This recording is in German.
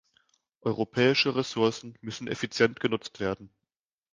Europäische Ressourcen müssen effizient genutzt werden.